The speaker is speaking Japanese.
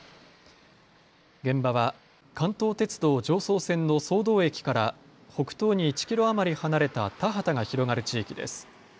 現場は関東鉄道常総線の宗道駅から北東に１キロ余り離れた田畑が広がる地域です。